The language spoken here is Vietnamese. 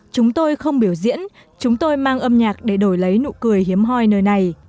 chúng tôi không biểu diễn chúng tôi mang âm nhạc để đổi lấy nụ cười hiếm hoi nơi này